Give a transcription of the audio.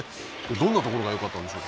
どんなところがよかったんでしょ